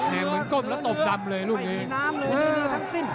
แหงเหมือนก้มแล้วตบดำเลยลูกนี้